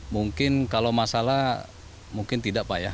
mungkin kalau masalah mungkin tidak pak ya